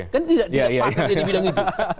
kan tidak patut di bidang itu